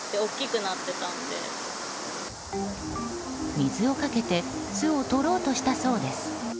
水をかけて巣を取ろうとしたそうです。